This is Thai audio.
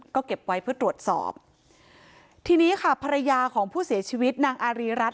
ก็เก็บไว้เพื่อตรวจสอบทีนี้ค่ะภรรยาของผู้เสียชีวิตนางอารีรัฐ